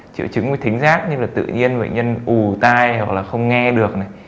triệu chứng về thính giác như là tự nhiên bệnh nhân ù tai hoặc là không nghe được này